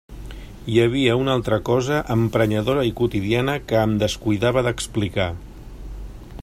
Hi havia una altra cosa emprenyadora i quotidiana que em descuidava d'explicar.